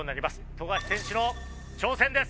富樫選手の挑戦です。